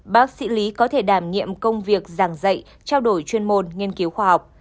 bác sĩ lý có thể đảm nhiệm công việc giảng dạy trao đổi chuyên môn nghiên cứu khoa học